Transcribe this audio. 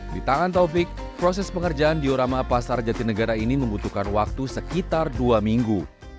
di tangan taufik proses pengerjaan diorama pasar jatinegara ini membutuhkan waktu sekitar dua minggu